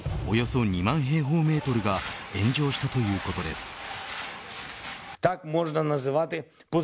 およそ２万平方メートルが炎上したということです。